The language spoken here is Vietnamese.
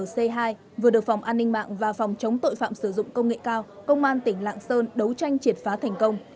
c hai vừa được phòng an ninh mạng và phòng chống tội phạm sử dụng công nghệ cao công an tỉnh lạng sơn đấu tranh triệt phá thành công